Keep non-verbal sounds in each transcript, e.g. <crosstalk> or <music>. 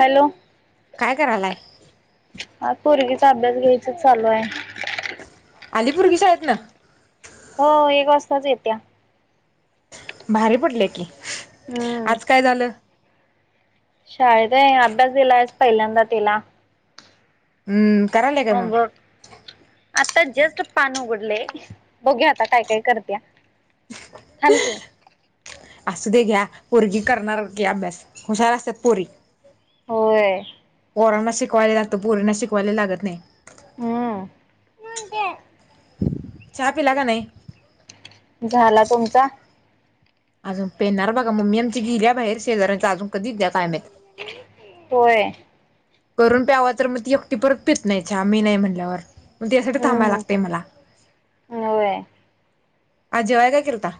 Hello काय करायलाय हा पुर्गीचा अभ्यास घ्यायचा चालूये. आली पुरगी शाळेतणं? हो एक वाजताच येत्या. भारी पडलेय की. हम आज काय झालं? शाळेत आहे, अभ्यास दिलाय आज पहिल्यांदा तिला. हम्म करायले होमवर्क आता जस्ट पान उघडलय, बघु आता काय काय करत्या. थांब कि असु दे ग्या पुरगी करणार कि अभ्यास, हुशार असतात पोरी. होय. पोरांना शिकवायला लागतं, पोरीना शिकवायला लागत नाही. हम् <unintelligible> चहा पिला का नाही? झाला तुमचा? अजून पेणार बघा, मम्मी आमची गेलिया बाहेर. शेजाऱ्यांचा अजून कधी द्या टायम नही. होय. करून प्यावा तर मग, ती एकटी परत पित नाही च्या मी नाही म्हटल्यावर. म तीयासाठी थांबायला हम्म लागतेय मला. हम्म होय आज जेवाया काय केलता?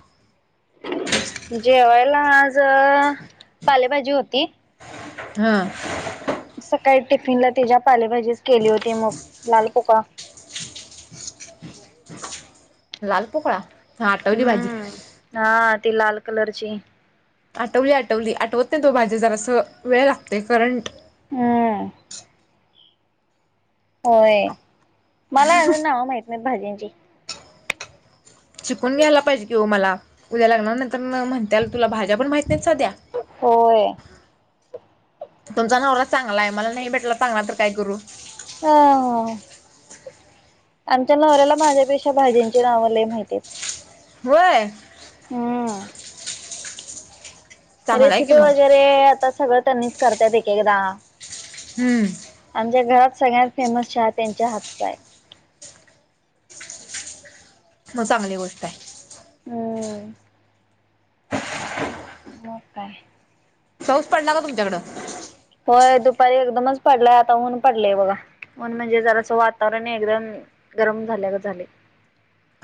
जेवायला आज अं पालेभाजी होती. हम. सकाळी टिफिनला तिच्या पालेभाजीच केली होती मग लाल पोकळा. लाल पोकळा? हा आटवली भाजी हम्म, हा ती लाल कलरची. आटवली आटवली आठवत नाही, तो भाजी जरासं वेळ लागतंय करंट हम्म. होय मला अजून नाव माहित नाहीत भाजींची. शिकून घ्यायला पाहिजे कि ओ मला, उद्या लग्नानंन्तर म्हणत्याल तुला भाज्या पण माहित नाहीत साध्या? होय तुमचा नवरा चांगला आहे मला नाही भेटला चांगला तर काय करू. हा आमच्या नवऱ्याला माझ्यापेक्षा भाजींची नाव लय माहिती व्हय हु चांगला आहे की रेसिपी मग वगैरे आता सगळं त्यांनीच करतायत एक एकदा हु आमच्या घरात सगळ्यात फेमस चहा त्यांच्या हातचा आहे मग चांगली गोष्ट आहे. हु मग काय पाऊस पडला का तुमच्याकडं होय दुपारी एकदमच पडलाय आता ऊन पडलाय बघा ऊन म्हणजे जरास वातावरण एकदम गरम झाल्या गत, झालय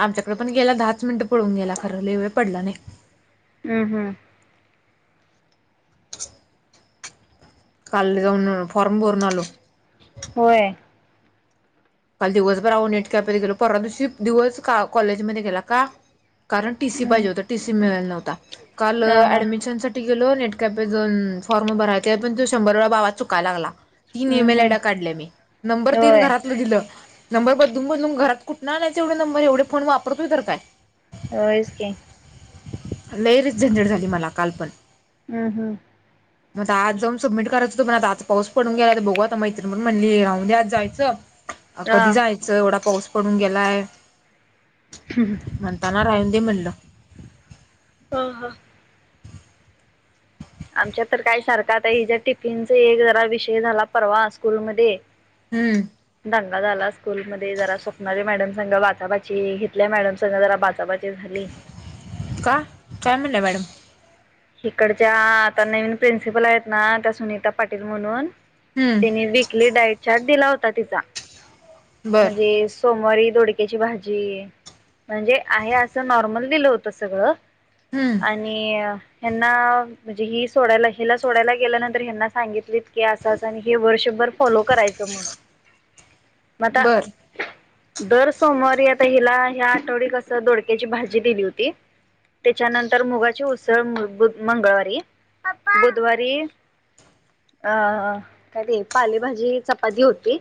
आमच्याकडे पण गेला दहाच मिनिट पळून गेला खरं लय, वेळ पडला नाही हा हा काल जाऊन फॉर्म भरूनआलो होय काल दिवसभर नटक्याप गेलो परवा दिवशी दिवस कॉलेजमध्येध्ये गेला का कारण टीसी हम्म पाहिजे होत टीसी मिळाला, नव्हता काल ह हा ऍडमिशनसाठी तेथे गेलो नेटकॅपो जन, फॉर्म भरायचा पण तो शंभर वेळा, भावा, चुकायला लागला तीन हम्म एम एल हम्म आयड काढल्या मी नंबर तीन होय घरातलं दिलं नंबर बदलून बदलून घरात कुठनं आणायच एवढे नंबर एवढे फोन वापरतय तर काय व्हय स की लय रि झंझट, झाली मला कालपण हं, हं मग आज जाऊन सबमिट करायच होत पण आ पाऊस पडून गेलाय तर बघू आता मैत्रीण पण म्हणली राहून दे आज जायचं हा. कधी जायचं एवढा पाऊस पडून गेलाय ह. ह. म्हणताना राहून दे म्हणलं हं. हं आमच्यात तर काय सारखा हि जसा टिफ़ीनचा एक जरा विषय झाला परवा स्कूलमध्ये हु दंगा झाला स्कूल मध्ये जरा, स्वप्नाले मॅडम संघ बाचाबाची इथल्या, मॅडम संघ जरा बाचाबाची घाबरले का.. काय म्हणल्या मॅडम इकडच्या आता नवीन प्रिन्सिपल आहेत ना त्या सुनीता पाटील म्हणून हु तिने, वीकली डाईट चार्ट दिला होता तिचा बर म्हणजे सोमवारी दोडक्याची भाजी म्हणजे आहे, असं नॉर्मल दिलं होत सगळं... हं आणि... ह्यांना म्हणजे ही सोडायला हिला सोडायला गेल्यानंतर ह्याना सांगितलीत की असंच आणि हे वर्षभर फॉलो करायचं म्हणून. मता. बर दर सोमवारी आता हिला, ह्या आठवड कस दोडक्याची भाजी दिली होती. त्याच्यानंतर मुगाची उसळ मंगळवारी बुधवारी. अ काय ते, पालेभाजी चपाती होती.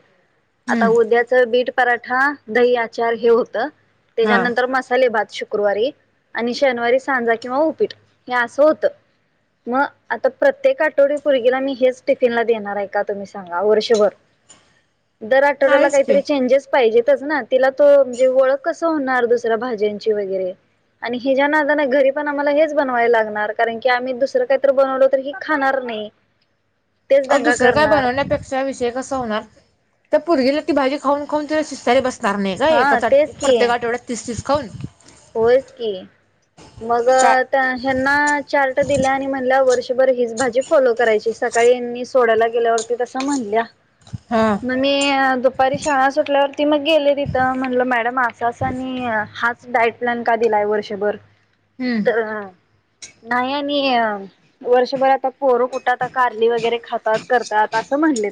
आता हम्म उद्याच बीट पराठा, दही, आचार, हे होत हा त्याच्यानंतर मसाले भात, श. शुक्रवारी आणि शनिवारी सांजा किंवा उपीट हे असं होतं. मग आता प्रत्येक आठवडीपर्गीला मी हेच टिफिनला देणार आहे का तुम्ही सांगा वर्षभर. दर आठवड्याला नाहीच की काहीतरी चेंजेस. पाहिजेतच ना.. तिला तो म्हणजे ओळख कस होणार दुसऱ्या भाज्यांची वगैरे. आणि हि ज्या नादान घरी पण आम्हाला हेच बनवायला लागणार, कारण की आम्ही दुसरं काहीत बनवलो तर ही खाणार नाही. तेच अ दंगा दुसरं काय करणार बनवण्यापेक्षा विषय कसा होणार, तर पुरगीला ती भाजी खाऊन खाऊन ति शिस्तारी बसते. कार नाही का हा एकासाठी तेच की प्रत्येक आठवड्यात तस तस खऊन. होयच की मग चा आता ह्यांना चार्ट दिला आणि म्हणल्या वर्ष. बर हीच भाजी फॉलो करायची, सकाळी मी सोडायला गेल्यावरती तस म्हणल्या. हा. मग मी दुपारी शाळा सुटल्यावरती मग गेले तिथं म्हणलं मॅडम असाच आणि हाच. डाईट प्लॅन का दिलाय वर्षभर, हम्म तर नाही आणि. वर्षभर आता पोरं कुठं आता कारली वगैरे खातात करतात असं म्हणलेत.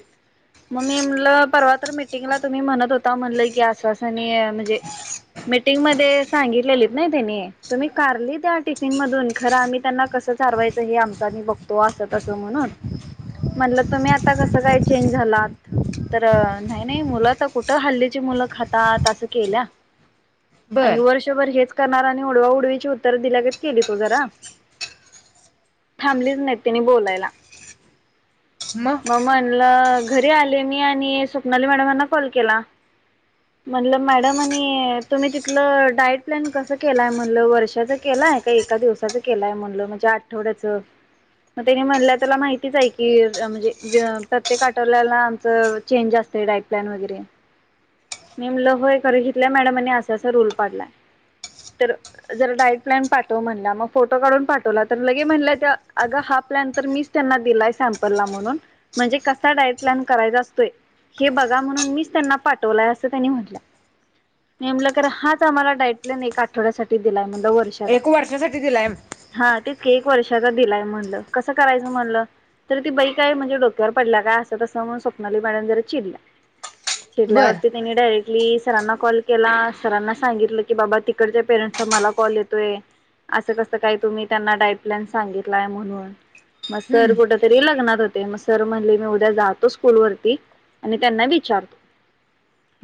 मग मी म्हणलं परवा तर मीटिंगला तुम्ही म्हणत होता म्हणलं की आश्वासनी आहे म्हणजे. मीटिंगमध्ये... सांगितलेलीत नाही त्यांनी तुम्ही कारली त्या टिफिन मधून खरं आम्ही त्यांना कसं चारवायचं हे आमचा मी बघतो. तो आस कस म्हणून म्हणलं तुम्ही आता कस काय चेंज झाला. तर नाही नाही मुलं तर कुठं हल्ल्याची मुलं खातात असं केल्या. बर आणि वर्षभर हेच करणार आणि उडवा उडवीची उत्तर दिल्यागत केली तू जरा. थांबलीच नाही तिनी बोलायला. मग म्हणलं घरी आले मी आणि स्वप्नाली मॅडमांना कॉल केला. म्हणल मॅडम आणि तुम्ही तिथलं डाईट. प्लॅन कसं केलाय म्हणलं, वर्षाचं केलाय का एका दिवसाच केलाय म्हणलं म्हणजे आठवड्याचं. मग त्यानी म्हणलं त्याला माहितीच आहे की म्हणजे प्रत्येक आठवल्याला आमचं. चेंज असते डाईट प्लान वगैरे. म्हणलं होय सर ईथल्या मॅडमनी असा असा रूल पाडलाय. तर. जरा डाईट प्लॅन पाठव म्हणला मग फोटो काढून पाठवला तर लगे म्हणलं अगा हा प्लॅन तर मी. त्यांना दिलाय सँपलला म्हणून म्हणजे कसा डाइट प्लॅन करायचा असतोय. हे बघा म्हणून मीच त्यांना पाठवलंय असं त्यांनी म्हटलं. मी म्हणलं खरं हाच आम्हाला डाइट प्लॅन एक आठवड्यासाठी दिलाय म्हणलं. एक वर्षासाठी दिला आहे. हां तेच की एक वर्षाचा दिलाय म्हणलं कसं करायचं म्हणलं? तर ती बाई काय म्हणजे डोक्यावर पडल्या का? असं तसं म्हणून स्वप्नाली मॅडम जर चिडल्या. बर चिरल्यावरती त्यांनी डायरेक्टली सरांना कॉल केला सरांना सांगितलं. की बाबा तिकडच्या पेरेंट्सचा मला कॉल येतोय. असं कसं काही तुम्ही त्यांना डाईट प्लॅन सांगितलाय म्हणून म सर हम्म कुठ. तरी लग्नात होते, मग सर म्हणले मी उद्या जातो स्कूलवरती आणि त्यांना विचारतो.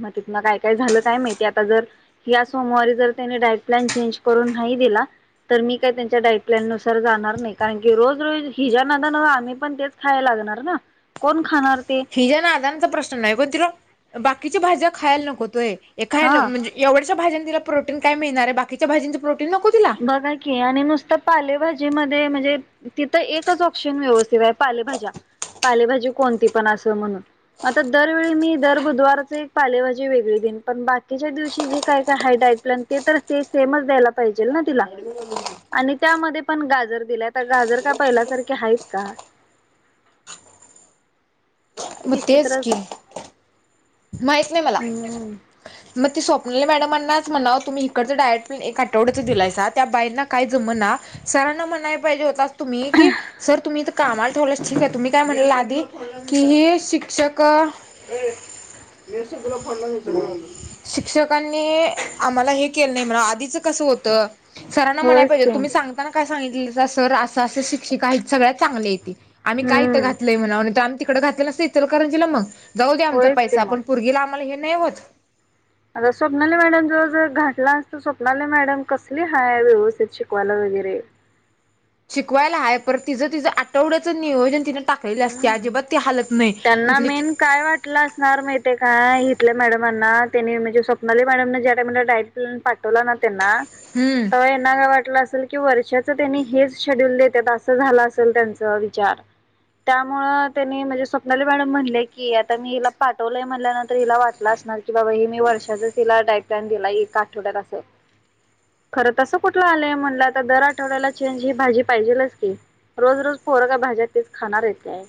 म तिथनं काय- काय झालं काय माहिती आता जर ह्या स सोमवारी जर त्यांनी डाईट प्लॅन चेंज करून नाही दिला तर मी काय त्यांच्या डाईट प्लॅननुसार जाणार नाही कारण की रोज- रोज हिज्या नादानं आम्ही पण तेच खायला लागणार ना कोण खाणार ते? हिज्या नादानीचा प्रश्न नाही, गं तिला बाकीच्या भाज्या खायला नकोत व्हय, ए खायला हा म्हणजे एवढ्याशा भाज्यांन तिला प्रोटीन काय मिळणार आहे, बाकीच्या भाज्यांचं प्रोटीन नको तिला. बघा की आणि नुसतं पालेभाजीमध्ये म्हणजे तिथं एकच ऑप्शन व्यवस्थित आहे पालेभाज्या, पालेभाजी कोणती पण असं म्हणून आता दरवेळी मी दर बुधवाराचे एक पालेभाजी वेगळी दिन, पण बाकीच्या दिवशी जे काय काय आहे डाइट प्लॅन ते तर ते सेमच द्यायला पाहिजे जेल ना तिला आणि त्यामध्ये पण गाजर दिलंय, आता गाजर का पहिल्यासारखे आहेत का? मग तेच की विचित्रच माहित नाही मला. म ते स्वप्नी मॅडमांनाचं म्हणावं तुम्ही इकडचं डाइट प्लॅन एक आठवड्याचं दिलायसा त्या बाईंना काय जमना सरांना म्हणाय पाहिजे होता तुम्ही की सर तुम्ही इथं कामाल ठेवलाय ठीक आहे, तुम्ही काय म्हणलेला आधी की हे शिक्षक <inaudible> शिक्षकांनी आम्हाला हे केलं नाही, म्हणा आधीचं कसं होतं सरांना म्हणायं होयच पाहिजे ते तुम्ही सांग सागंताना काय सांगितलेलासा सर असं असं शिक्षिका आहेत सगळ्या चांगल्या आहेत ती. आम्ही का इथं हम्म घातलंय म्हणाव, आम्ही तिकडं घातलं नसतं इचलकरंजीला मग जाऊ दे आमचा होयच पैसा ते मग पुरगीला आम्हाला हे नाही होत. अगं स्वप्नाली मॅडम जवळ जर घातलं असतं तर स्वप्नाली मॅडम कसली हाय व्यवस्थित शिकवायला वगैरे शिकवायला आहे पर तिचं तिचं आठवड्याचं नियोजन तिने टाकायलाच ती हम्म अजिबात ती हलत नाही <unintelligible> टाकलं असणार माहितेय काय? हितल्या मॅडमांना त्यांनी म्हणजे स्वप्नाली मॅडम ज्या टाईमला डाइट पाठवला ना त्यांना हम्म, ह्यांना काय वाटलं असेल की वर्षाचं त्यांनी हेच शेड्यूल देतात असं झालं असेल त्यांचा विचार त्यामुळं त्यांनी म्हणजे स्वप्नाली मॅडम म्हणल्या की आता मी हिला पाठवलंय म्हणल्यानंतर हिला वाटलं असल णार की बाबा हे मी वर्षाचा तिला डाइट प्लॅन दिलाय एका आठवड्यात असं. खरं तसं कुठुन आलंय म्हणलं आता, दर आठवड्याला चेंज ही भाजी पाहिजेलच की. रोज -रोज पोरंग भाज्या तेच खाणार आहे काय?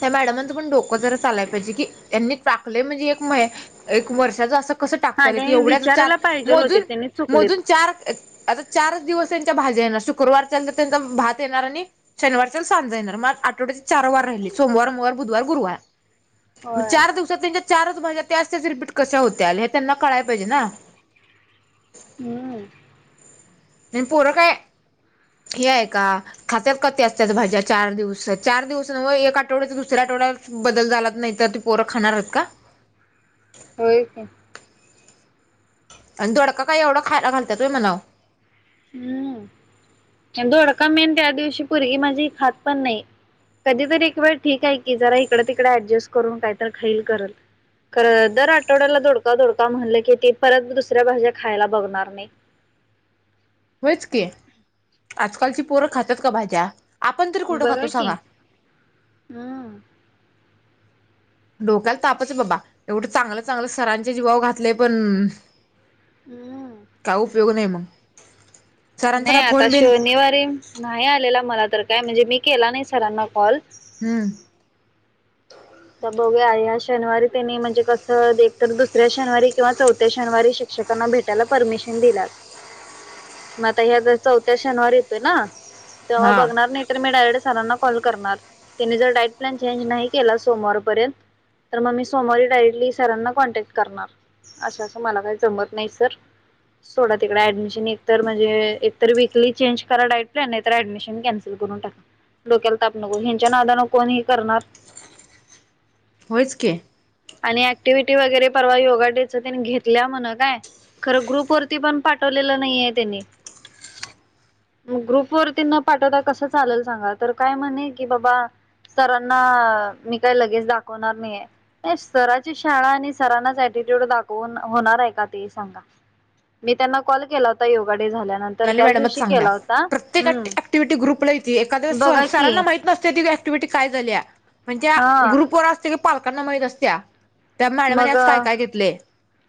त्या मॅडमांचं पण डोकं जरा चालाय पाहिजे की, यांनी टाकलंय म्हणजे एक मही एक वर्षाचं असं कसं हा टाकत्याल की त्यांनी एवढ्याच चार विचारायला पाहिजेल होते मोजून, त्यांनी चुकलेत. मोजून चार आता चारच दिवस त्यांच्या भाज्या येणा, शुक्रवार त्यांचा, त्यांचा भात येणार आणि शनिवारच्याला सांजा येणार, मग आठवड्याची चार वार राहिले. सोमवार, मंगळवार, बुधवार, गुरुवार मग होय. चार दिवस सात त्यांच्या चारच भाज्या त्याच त्याच रिपीट कशा होत्याल हे त्यांना कळायं पाहिजे ना? हम्म. हे पोरं काय हे आहे का? खात्यात का त्याच, त्याच भाज्या चार दिवस चार दिवस नव्हं एक आठवड्याच दुसऱ्या आठवड्यात बदल झालाच नाही तर ती पोरं खाणार आहेत का? होय की, आणि दोडका काय एवढा, खायला घालत्यात होय म्हणाव. हम्म. अन दोडका मेन त्या दिवशी, पोरगी माझी खात पण नाही. कधीतरी एक वेळ ठीक आहे की, जरा इकड तिकडे ऍडजस्ट करून काहीतर खाईल करल. खरं दर आठवड्याला दोडका दोडका म्हणलं की, ते परत दुसऱ्या भाज्या खायला बघणार नाही. होयच की, आजकालची पोरं खातात का भाज्या? आपण तरी कुठं बघा खातो कि, सांगा हम्म. डोक्याला तापच आहे बाबा, एवढं चांगलं चांगलं सरांचे जीवावर घातलेय पण हम्म. काय उपयोग नाही मग. सरांचा नाही काय आता, फोन बिन शनिवारी नाही आलेला मला तर काय म्हणजे मी केला नाही सरांना कॉल. हम्म. आता बघुया, ह्या शनिवारी त्यांनी म्हणजे कसं एक तर दुसऱ्या शनिवारी किंवा चौथ्या शनिवारी शिक्षक त्यांना भेटायला परमिशन दिल्यात. ह मग आता ह्या जर, चौथा शनिवारी येतोय ना? तेव्हा हा बघणार, नाही तर मी डायरेक्ट सरांना कॉल करणार. त्यांनी जर डाएट प्लन चेंज नाही केलाच सोमवारपर्यंत, तर मग मी सोमवारी डायरेक्टली सरांना कॉन्टॅक्ट करणार. असं असं मला काही जमत नाही सर सोडा तिकडे ऍडमिशन. एक तर म्हणजे एक तर, वीकली चेंज करा डाएट प्लॅन. नाही तर ऍडमिशन कॅन्सल कॅन्सल करून टाका. डोक्याला ताप नको, ह्यांच्या नादानं कोण हे करणार? होयच की. आणि ऍक्टिव्हटी वगैरे, परवा योगा डेच त्यांनी घेतल्या म्हण काय? खरं ग्रुप वरती पण, पाठवलेलं नाही आहे त्यांनी. मग ग्रुप वरती न पाठवता कसं चालेल सांगा? तर काय म्हणे की बाबा सरांना, मी काही लगेच दाखवणार नाहीये. नाही सराची शाळा आणि सरांनाच अटिट्यूड दाखवून होणार आहे का ते सांगा? मी त्यांना कॉल केला होता, योगा डे झाल्यानंतर म्हणाली त्याच मॅडमच दिवशी चांगल्या. केला होता प्रत्येक ऍक्टि हम्म ऍक्टिव्हीटी ग्रुपला येती, एखाद्या वेळेस बघा स की सरांना माहीत नसते ती ऍक्टिव्हीटी काय झाल्या, म्हणजे हा ग्रुप वर असते की, पालकांना माहीत असत्या त्या मॅडमानी, आज काय मग काय घेतलंय.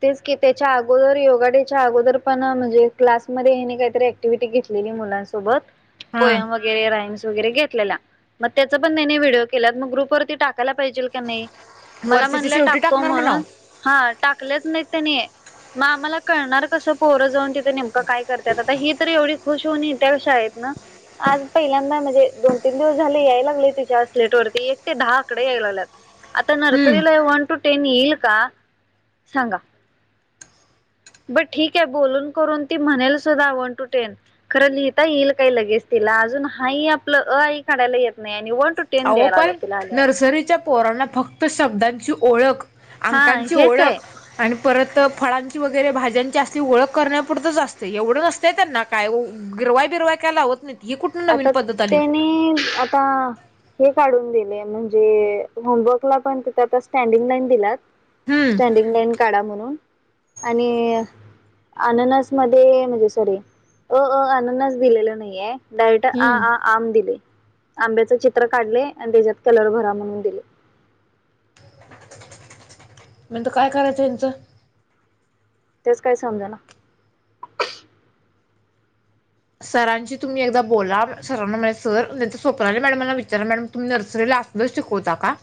तेच की, त्याच्या अगोदर योगा डे च्या अगोदर पण म्हणजे क्लासमध्ये ह्यांनी काहीतरी ऍक् ऍक्टिव्हटी घेतलेली मुलांसोबत. हा पोयम वगैरे राईम्स वगैरे घेतलेल्या, मग त्याचं पण त्याने व्हिडिओ केल्यात मग ग्रुपवरती टाक टाकायला पाहिजे का नाही, मला वर्षाच्या म्हणलं शेवटी टाकतो टाकणार म्हणाव म्हणून. हा, टाकलेच नाही त्यांनी. मग आम्हाला कळणार कसं पोरं जाऊन ति नेमकं काय करतात, आता ही तर एवढी खुश होऊन येत्या शाळेतनं आज पहिल्यांदा म्हणजे दोन तीन दिवस झाले यायला लागले तिच्या स्लेट वरती एक ते दहा आकडे यायला लागल्यात. आता हम्म नर्सरीला वन टू टेन येईल का सांगा? बरं ठीक आहे, बोलून करून ती म्हणेल सुद्धा वन टू टेन खरं लिहिता येईल काय लगेच तिला. अजून हाई ही आपलं अ, आ, ई काढायला येत नाही आणि वन, टू टेन अहो द्यायला आलं पण तिला लिहायला नर्सरीच्या पोरांना फक्त शब्दांची ओळख, हा अंकांची हेच आहे ओळख आणि परत फळांची वगैरे भाज्यांची असती ओळख करण्यापुरतंच असते एवढं नसतंय त्यांना काय ओ गिरवाय बिरवाय काय लावत नाही. आता त्यांनी आता हे काढून दिले म्हणजे होमवर्कला पण तिथं आता स्टँडिंग लाईन दिल्यात. हम्म स्टँडिंग लाईन काढा म्हणून आणि अं अननस मध्ये म्हणजे सॉरी अ, अ अननस दिलेलं नाही हाय डायरेक्ट आ, आ, आ हम्म आंम दिले, आंब्याच चित्र काढले आणि त्याच्यात कलर भरा म्हणून दिले नंतर काय करायचं हेचं तेच काही समजना सरांशीतुम्ही एकदा बोला सरांना म्हणायचं सर स्वप्नाली मॅडम मला विचारा मॅडम तुम्ही नर्सरीला असता तूचं शिकवता का?